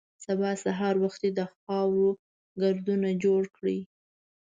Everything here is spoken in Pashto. سبا سهار وختي د خاورو ګردونه جوړ کړي.